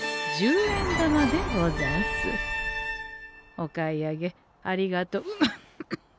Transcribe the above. お買い上げありがとう。